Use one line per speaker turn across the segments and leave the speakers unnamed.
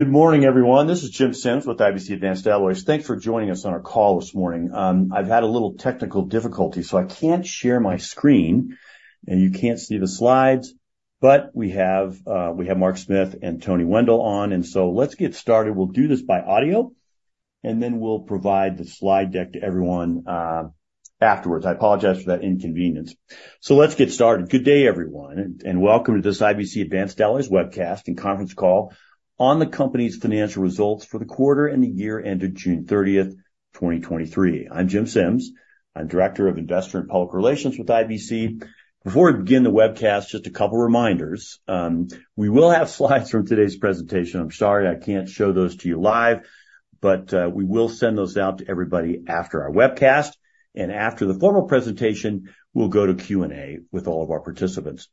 Good morning, everyone. This is Jim Sims with IBC Advanced Alloys. Thanks for joining us on our call this morning. I've had a little technical difficulty, so I can't share my screen, and you can't see the slides, but we have Mark Smith and Toni Wendel on, and so let's get started. We'll do this by audio, and then we'll provide the slide deck to everyone afterwards. I apologize for that inconvenience. Let's get started. Good day, everyone, and welcome to this IBC Advanced Alloys webcast and conference call on the company's financial results for the quarter and the year ended June 30, 2023. I'm Jim Sims. I'm Director of Investor and Public Relations with IBC. Before we begin the webcast, just a couple reminders. We will have slides from today's presentation. I'm sorry I can't show those to you live, but we will send those out to everybody after our webcast, and after the formal presentation, we'll go to Q&A with all of our participants.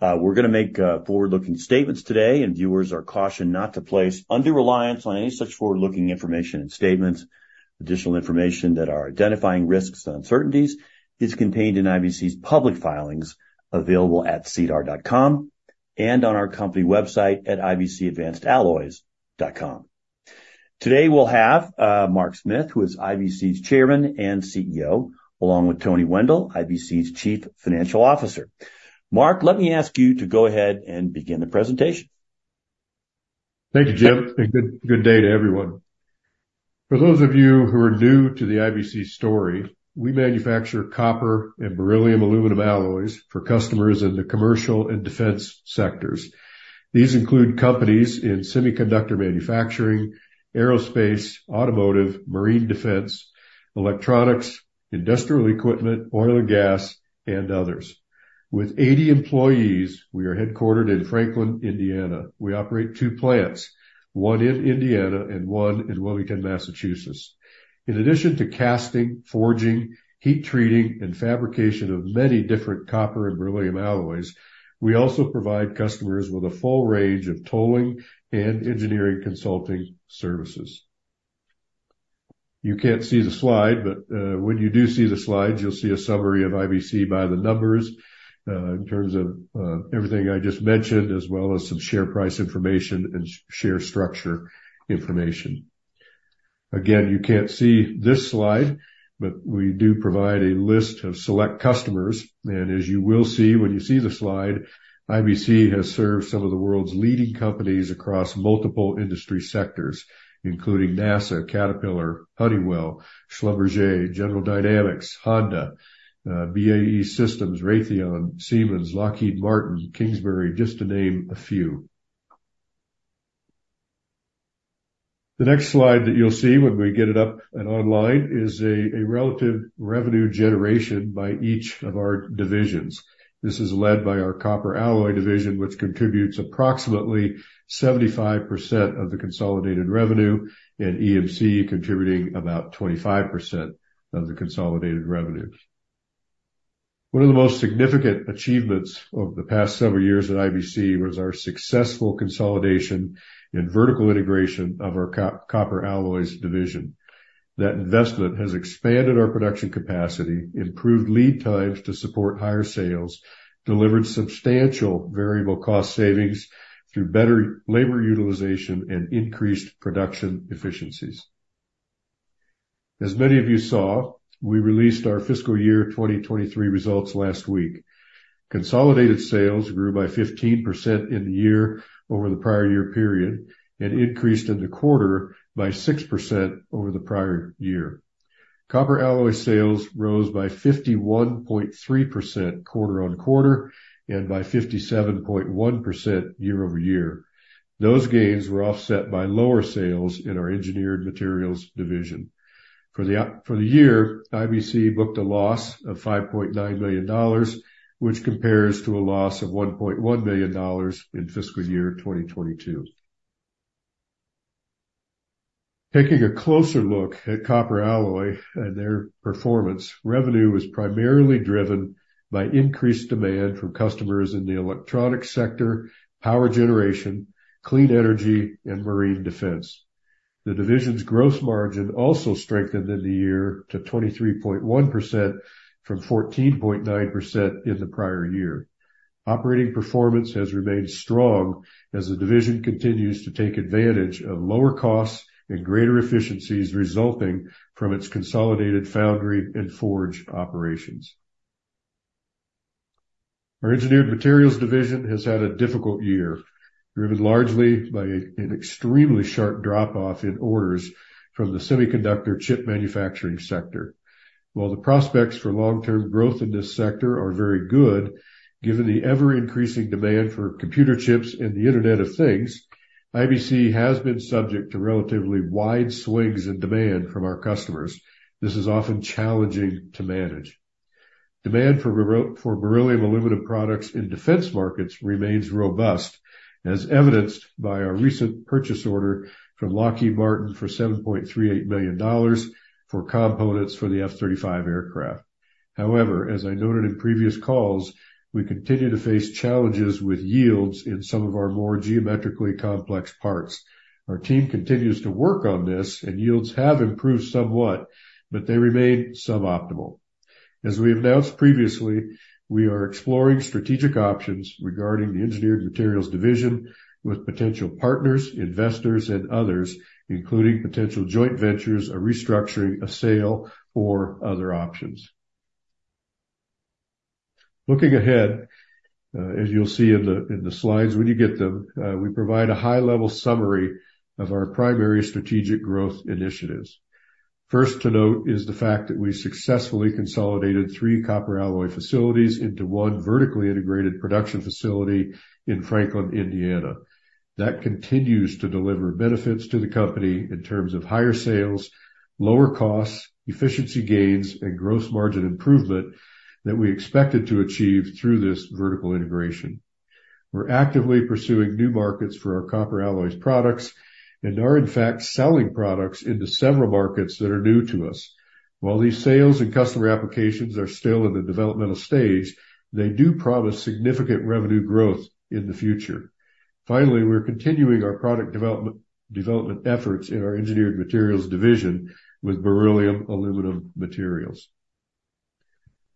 We're gonna make forward-looking statements today, and viewers are cautioned not to place undue reliance on any such forward-looking information and statements. Additional information that are identifying risks and uncertainties is contained in IBC's public filings, available at sedar.com and on our company website at ibcadvancedalloys.com. Today, we'll have Mark Smith, who is IBC's Chairman and CEO, along with Toni Wendel, IBC's Chief Financial Officer. Mark, let me ask you to go ahead and begin the presentation.
Thank you, Jim, and good, good day to everyone. For those of you who are new to the IBC story, we manufacture copper and beryllium aluminum alloys for customers in the commercial and defense sectors. These include companies in semiconductor manufacturing, aerospace, automotive, marine defense, electronics, industrial equipment, oil and gas, and others. With 80 employees, we are headquartered in Franklin, Indiana. We operate two plants, one in Indiana and one in Wilmington, Massachusetts. In addition to casting, forging, heat treating, and fabrication of many different copper and beryllium alloys, we also provide customers with a full range of tolling and engineering consulting services. You can't see the slide, but when you do see the slides, you'll see a summary of IBC by the numbers in terms of everything I just mentioned, as well as some share price information and share structure information. Again, you can't see this slide, but we do provide a list of select customers, and as you will see when you see the slide, IBC has served some of the world's leading companies across multiple industry sectors, including NASA, Caterpillar, Honeywell, Schlumberger, General Dynamics, Honda, BAE Systems, Raytheon, Siemens, Lockheed Martin, Kingsbury, just to name a few. The next slide that you'll see when we get it up and online is a relative revenue generation by each of our divisions. This is led by our Copper Alloys Division, which contributes approximately 75% of the consolidated revenue, and EMC contributing about 25% of the consolidated revenue. One of the most significant achievements of the past several years at IBC was our successful consolidation and vertical integration of our copper alloys division. That investment has expanded our production capacity, improved lead times to support higher sales, delivered substantial variable cost savings through better labor utilization and increased production efficiencies. As many of you saw, we released our fiscal year 2023 results last week. Consolidated sales grew by 15% in the year over the prior year period and increased in the quarter by 6% over the prior year. Copper alloy sales rose by 51.3% quarter-on-quarter and by 57.1% year-over-year. Those gains were offset by lower sales in our Engineered Materials Division. For the year, IBC booked a loss of $5.9 million, which compares to a loss of $1.1 million in fiscal year 2022. Taking a closer look at copper alloy and their performance, revenue was primarily driven by increased demand from customers in the electronic sector, power generation, clean energy, and marine defense. The division's gross margin also strengthened in the year to 23.1% from 14.9% in the prior year. Operating performance has remained strong as the division continues to take advantage of lower costs and greater efficiencies resulting from its consolidated foundry and forge operations. Our engineered materials division has had a difficult year, driven largely by an extremely sharp drop-off in orders from the semiconductor chip manufacturing sector. While the prospects for long-term growth in this sector are very good, given the ever-increasing demand for computer chips and the Internet of Things, IBC has been subject to relatively wide swings in demand from our customers. This is often challenging to manage. Demand for beryllium aluminum products in defense markets remains robust, as evidenced by our recent purchase order from Lockheed Martin for $7.38 million for components for the F-35 aircraft. However, as I noted in previous calls, we continue to face challenges with yields in some of our more geometrically complex parts. Our team continues to work on this, and yields have improved somewhat, but they remain suboptimal. As we announced previously, we are exploring strategic options regarding the engineered materials division with potential partners, investors, and others, including potential joint ventures, a restructuring, a sale, or other options.... Looking ahead, as you'll see in the slides when you get them, we provide a high-level summary of our primary strategic growth initiatives. First to note is the fact that we successfully consolidated three copper alloy facilities into one vertically integrated production facility in Franklin, Indiana. That continues to deliver benefits to the company in terms of higher sales, lower costs, efficiency gains, and gross margin improvement that we expected to achieve through this vertical integration. We're actively pursuing new markets for our copper alloys products and are in fact, selling products into several markets that are new to us. While these sales and customer applications are still in the developmental stage, they do promise significant revenue growth in the future. Finally, we're continuing our product development, development efforts in our Engineered Materials Division with beryllium aluminum materials.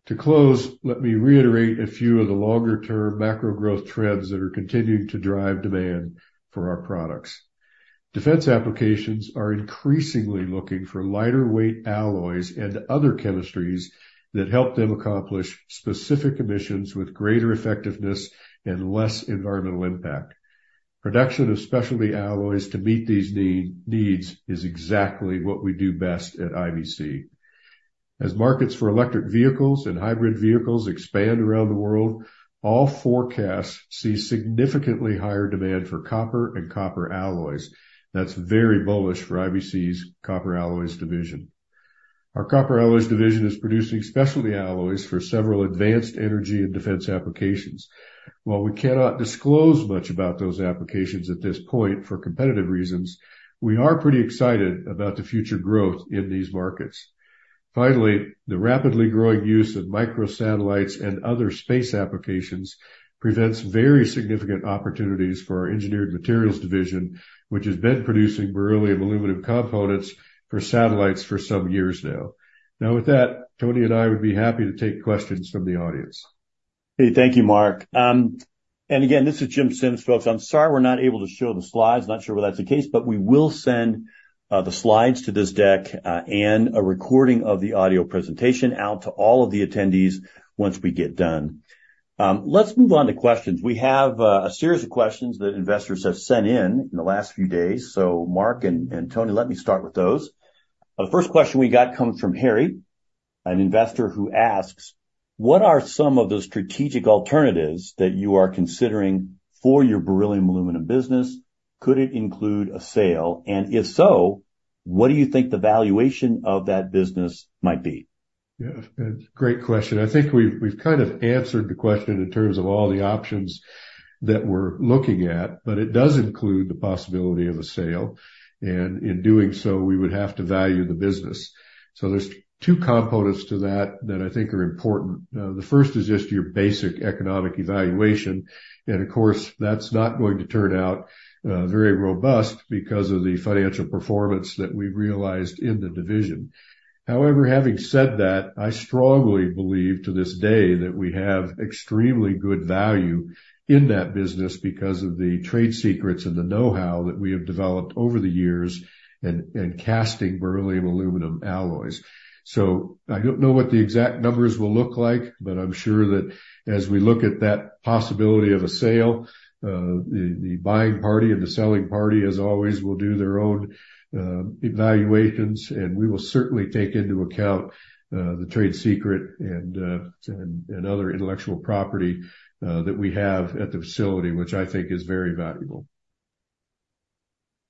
To close, let me reiterate a few of the longer-term macro growth trends that are continuing to drive demand for our products. Defense applications are increasingly looking for lighter weight alloys and other chemistries that help them accomplish specific emissions with greater effectiveness and less environmental impact. Production of specialty alloys to meet these need is exactly what we do best at IBC. As markets for electric vehicles and hybrid vehicles expand around the world, all forecasts see significantly higher demand for copper and copper alloys. That's very bullish for IBC's Copper Alloys Division. Our Copper Alloys Division is producing specialty alloys for several advanced energy and defense applications. While we cannot disclose much about those applications at this point for competitive reasons, we are pretty excited about the future growth in these markets. Finally, the rapidly growing use of microsatellites and other space applications presents very significant opportunities for our Engineered Materials Division, which has been producing beryllium aluminum components for satellites for some years now. Now, with that, Toni and I would be happy to take questions from the audience.
Hey, thank you, Mark. And again, this is Jim Sims, folks. I'm sorry, we're not able to show the slides. Not sure why that's the case, but we will send the slides to this deck and a recording of the audio presentation out to all of the attendees once we get done. Let's move on to questions. We have a series of questions that investors have sent in in the last few days. So Mark and Tony, let me start with those. The first question we got comes from Harry, an investor, who asks: What are some of the strategic alternatives that you are considering for your beryllium aluminum business? Could it include a sale? And if so, what do you think the valuation of that business might be?
Yeah, great question. I think we've kind of answered the question in terms of all the options that we're looking at, but it does include the possibility of a sale, and in doing so, we would have to value the business. So there's two components to that that I think are important. The first is just your basic economic evaluation, and of course, that's not going to turn out very robust because of the financial performance that we realized in the division. However, having said that, I strongly believe to this day that we have extremely good value in that business because of the trade secrets and the know-how that we have developed over the years in casting beryllium aluminum alloys. So I don't know what the exact numbers will look like, but I'm sure that as we look at that possibility of a sale, the buying party and the selling party, as always, will do their own evaluations, and we will certainly take into account the trade secret and other intellectual property that we have at the facility, which I think is very valuable.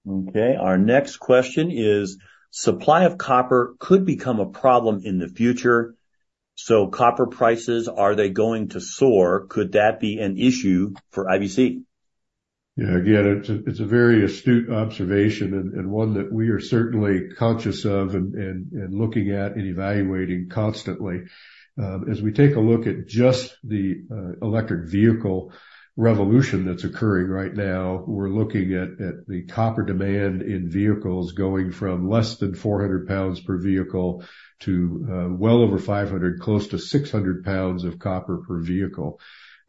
Okay, our next question is: Supply of copper could become a problem in the future, so copper prices, are they going to soar? Could that be an issue for IBC?
Yeah, again, it's a very astute observation and one that we are certainly conscious of and looking at and evaluating constantly. As we take a look at just the electric vehicle revolution that's occurring right now, we're looking at the copper demand in vehicles going from less than 400 pounds per vehicle to well over 500, close to 600 pounds of copper per vehicle.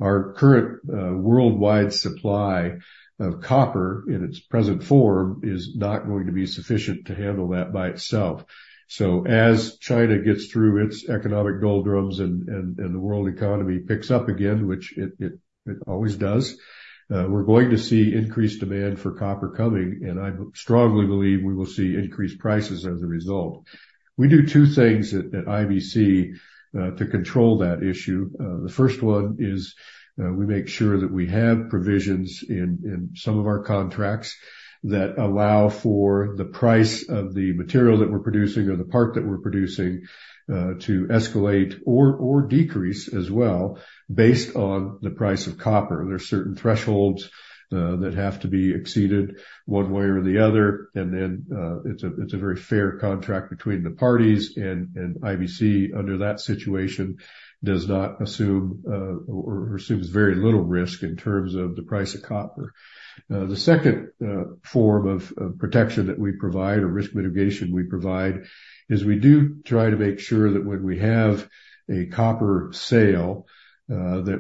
Our current worldwide supply of copper in its present form is not going to be sufficient to handle that by itself. So as China gets through its economic doldrums and the world economy picks up again, which it always does, we're going to see increased demand for copper coming, and I strongly believe we will see increased prices as a result. We do two things at IBC to control that issue. The first one is, we make sure that we have provisions in some of our contracts that allow for the price of the material that we're producing or the part that we're producing, to escalate or decrease as well, based on the price of copper. There are certain thresholds that have to be exceeded one way or the other, and then, it's a very fair contract between the parties and IBC under that situation, does not assume or assumes very little risk in terms of the price of copper. The second form of protection that we provide or risk mitigation we provide is we do try to make sure that when we have a copper sale, that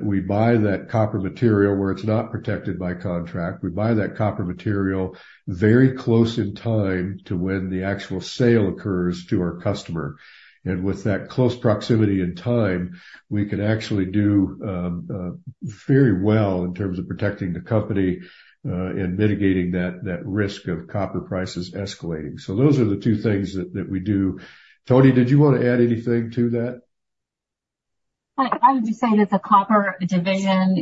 we buy that copper material where it's not protected by contract. We buy that copper material very close in time to when the actual sale occurs to our customer. With that close proximity and time, we can actually do very well in terms of protecting the company and mitigating that risk of copper prices escalating. So those are the two things that we do. Toni, did you want to add anything to that?
I would just say that the copper division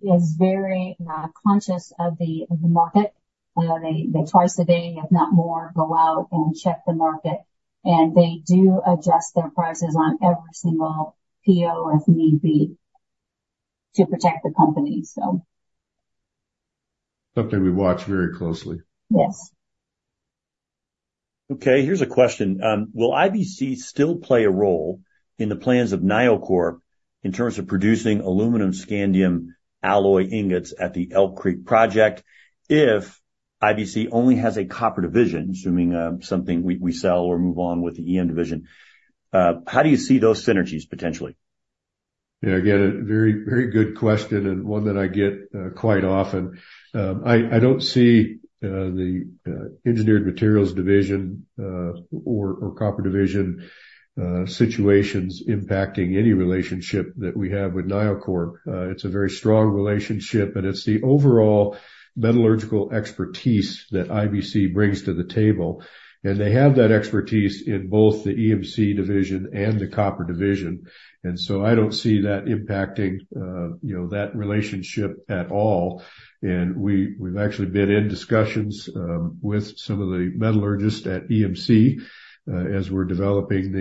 is very conscious of the market. They twice a day, if not more, go out and check the market, and they do adjust their prices on every single PO as need be to protect the company, so.
Something we watch very closely.
Yes.
Okay, here's a question: will IBC still play a role in the plans of NioCorp in terms of producing aluminum scandium alloy ingots at the Elk Creek project if IBC only has a copper division, assuming something we sell or move on with the EM division? How do you see those synergies potentially?
Yeah, again, a very, very good question, and one that I get quite often. I don't see the Engineered Materials Division or Copper Division situations impacting any relationship that we have with NioCorp. It's a very strong relationship, and it's the overall metallurgical expertise that IBC brings to the table, and they have that expertise in both the EMC Division and the Copper Division. And so I don't see that impacting, you know, that relationship at all. And we've actually been in discussions with some of the metallurgists at EMC as we're developing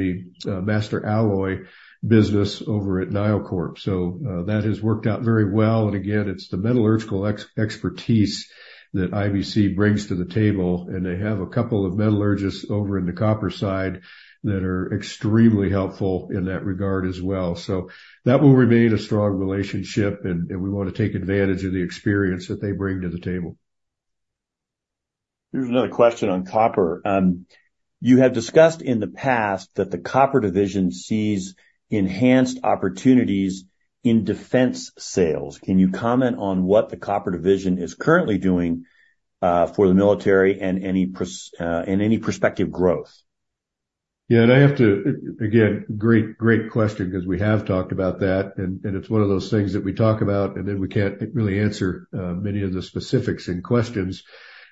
the master alloy business over at NioCorp. So, that has worked out very well, and again, it's the metallurgical expertise that IBC brings to the table, and they have a couple of metallurgists over in the copper side that are extremely helpful in that regard as well. So that will remain a strong relationship, and we wanna take advantage of the experience that they bring to the table.
Here's another question on copper. You have discussed in the past that the Copper Division sees enhanced opportunities in defense sales. Can you comment on what the Copper Division is currently doing for the military and any prospective growth?
Yeah, and I have to—again, great, great question, 'cause we have talked about that, and it's one of those things that we talk about, and then we can't really answer many of the specifics and questions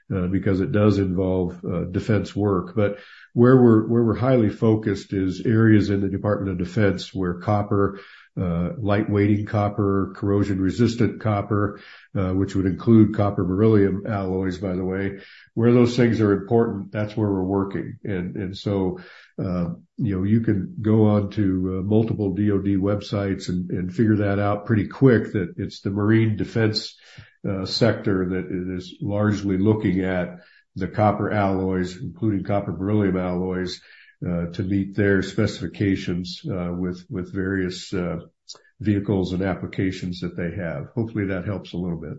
because it does involve defense work. But where we're highly focused is areas in the Department of Defense, where copper, lightweight copper, corrosion-resistant copper, which would include copper beryllium alloys, by the way, where those things are important, that's where we're working. And so, you know, you can go onto multiple DoD websites and figure that out pretty quick, that it's the marine defense sector that it is largely looking at the copper alloys, including copper beryllium alloys, to meet their specifications with various vehicles and applications that they have. Hopefully, that helps a little bit.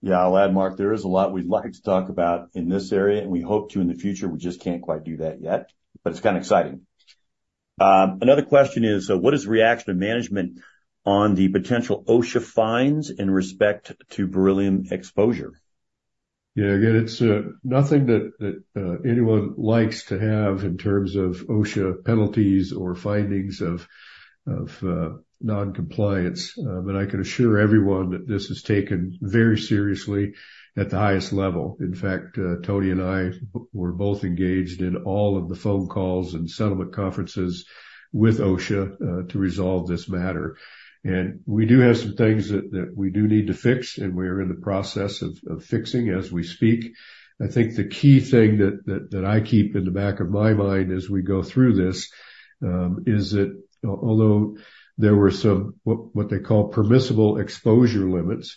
Yeah, I'll add, Mark, there is a lot we'd like to talk about in this area, and we hope to in the future. We just can't quite do that yet, but it's kinda exciting. Another question is, what is the reaction of management on the potential OSHA fines in respect to beryllium exposure?
Yeah, again, it's nothing that anyone likes to have in terms of OSHA penalties or findings of non-compliance. But I can assure everyone that this is taken very seriously at the highest level. In fact, Tony and I were both engaged in all of the phone calls and settlement conferences with OSHA to resolve this matter. And we do have some things that we do need to fix, and we are in the process of fixing as we speak. I think the key thing that I keep in the back of my mind as we go through this is that although there were some what they call permissible exposure limits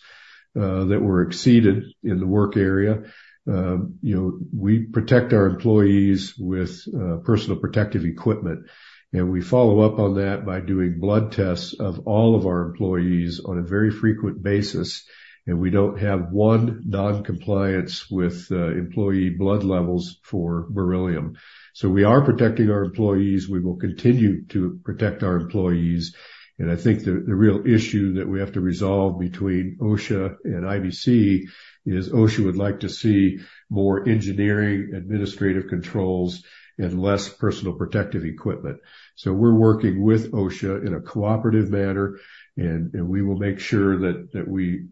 that were exceeded in the work area, you know, we protect our employees with personal protective equipment, and we follow up on that by doing blood tests of all of our employees on a very frequent basis, and we don't have one non-compliance with employee blood levels for beryllium. So we are protecting our employees. We will continue to protect our employees, and I think the real issue that we have to resolve between OSHA and IBC is OSHA would like to see more engineering, administrative controls, and less personal protective equipment. So we're working with OSHA in a cooperative manner, and we will make sure that we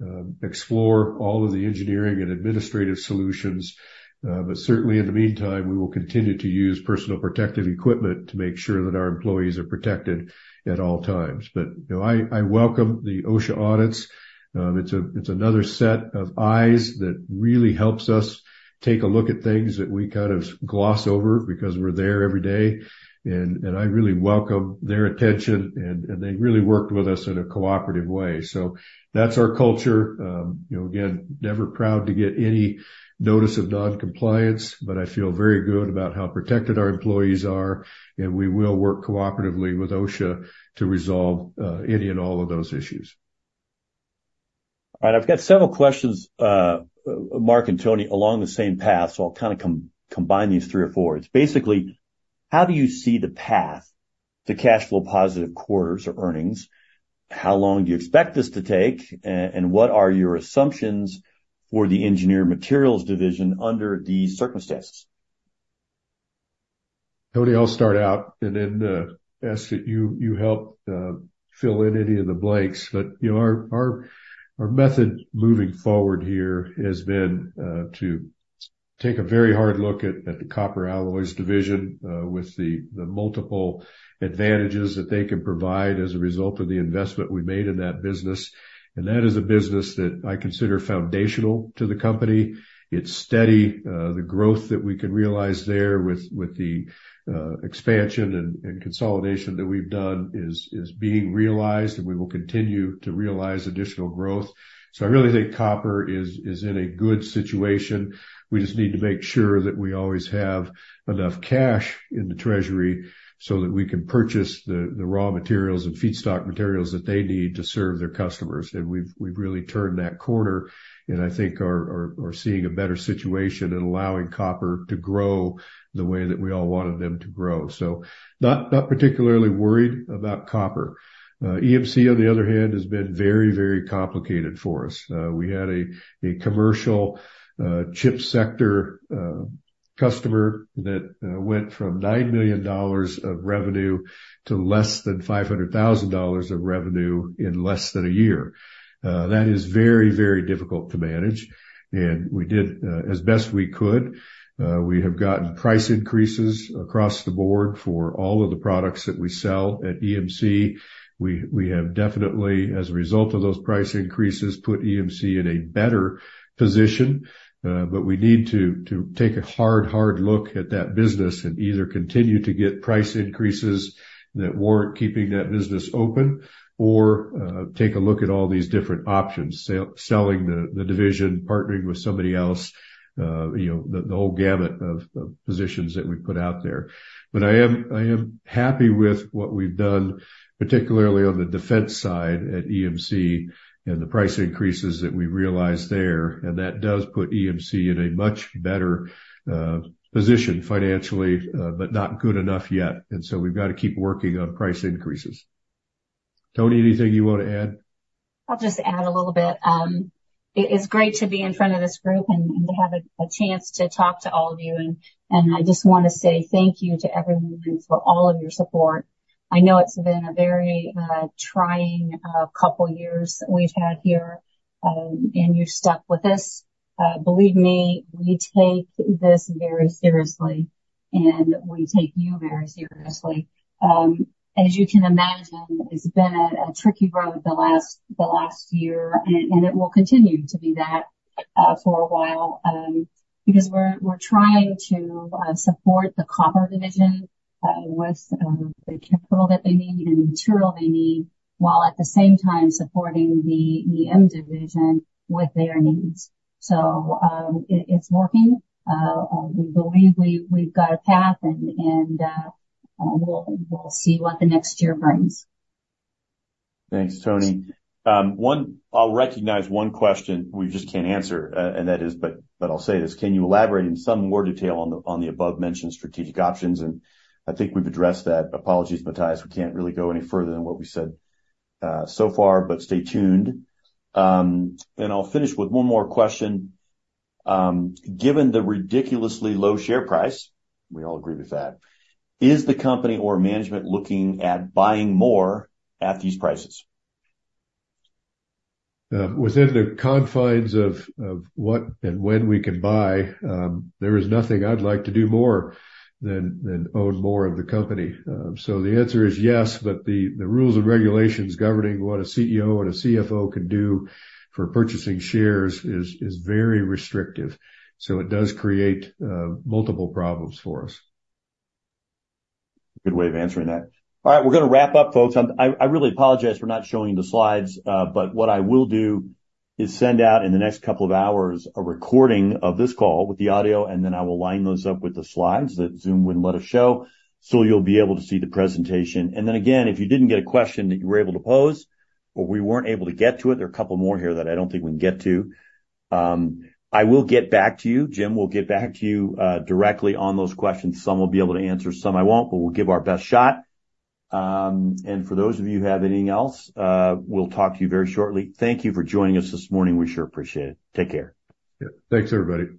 explore all of the engineering and administrative solutions. But certainly, in the meantime, we will continue to use personal protective equipment to make sure that our employees are protected at all times. But, you know, I welcome the OSHA audits. It's another set of eyes that really helps us take a look at things that we kind of gloss over because we're there every day. And I really welcome their attention, and they really worked with us in a cooperative way. So that's our culture. You know, again, never proud to get any notice of non-compliance, but I feel very good about how protected our employees are, and we will work cooperatively with OSHA to resolve any and all of those issues.
All right. I've got several questions, Mark and Toni, along the same path, so I'll kind of combine these three or four. It's basically, how do you see the path to cash flow positive quarters or earnings? How long do you expect this to take, and what are your assumptions for the Engineered Materials Division under these circumstances?
Tony, I'll start out and then ask that you, you help fill in any of the blanks, but, you know, our, our, our method moving forward here has been to take a very hard look at the Copper Alloys Division with the multiple advantages that they can provide as a result of the investment we made in that business. And that is a business that I consider foundational to the company. It's steady. The growth that we can realize there with the expansion and consolidation that we've done is being realized, and we will continue to realize additional growth. So I really think copper is in a good situation. We just need to make sure that we always have enough cash in the treasury so that we can purchase the raw materials and feedstock materials that they need to serve their customers. We've really turned that corner, and I think are seeing a better situation in allowing copper to grow the way that we all wanted them to grow. Not particularly worried about copper. EMC, on the other hand, has been very, very complicated for us. We had a commercial chip sector customer that went from $9 million of revenue to less than $500,000 of revenue in less than a year. That is very, very difficult to manage, and we did as best we could. We have gotten price increases across the board for all of the products that we sell at EMC. We have definitely, as a result of those price increases, put EMC in a better position. But we need to take a hard look at that business and either continue to get price increases that warrant keeping that business open or take a look at all these different options. Selling the division, partnering with somebody else, you know, the whole gamut of positions that we put out there. But I am happy with what we've done, particularly on the defense side at EMC and the price increases that we realized there, and that does put EMC in a much better position financially, but not good enough yet, and so we've got to keep working on price increases. Toni, anything you want to add?
I'll just add a little bit. It is great to be in front of this group and to have a chance to talk to all of you. I just wanna say thank you to everyone for all of your support. I know it's been a very trying couple years that we've had here, and you've stuck with us. Believe me, we take this very seriously, and we take you very seriously. As you can imagine, it's been a tricky road the last year, and it will continue to be that for a while. Because we're trying to support the copper division with the capital that they need and the material they need, while at the same time supporting the EM division with their needs. So, it's working. We believe we've got a path and we'll see what the next year brings.
Thanks, Toni. I'll recognize one question we just can't answer, and that is, but I'll say this: Can you elaborate in some more detail on the above-mentioned strategic options? And I think we've addressed that. Apologies, Matthias, we can't really go any further than what we said so far, but stay tuned. And I'll finish with one more question. Given the ridiculously low share price, we all agree with that, is the company or management looking at buying more at these prices?
Within the confines of what and when we can buy, there is nothing I'd like to do more than own more of the company. So the answer is yes, but the rules and regulations governing what a CEO and a CFO can do for purchasing shares is very restrictive, so it does create multiple problems for us.
Good way of answering that. All right, we're gonna wrap up, folks. I really apologize for not showing the slides, but what I will do is send out, in the next couple of hours, a recording of this call with the audio, and then I will line those up with the slides that Zoom wouldn't let us show, so you'll be able to see the presentation. And then again, if you didn't get a question that you were able to pose or we weren't able to get to it, there are a couple more here that I don't think we can get to, I will get back to you. Jim will get back to you, directly on those questions. Some we'll be able to answer, some I won't, but we'll give our best shot. For those of you who have anything else, we'll talk to you very shortly. Thank you for joining us this morning. We sure appreciate it. Take care.
Yeah. Thanks, everybody.